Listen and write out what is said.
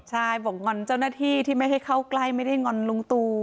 ใช่บอกงอนเจ้าหน้าที่ที่ไม่ให้เข้าใกล้ไม่ได้งอนลุงตู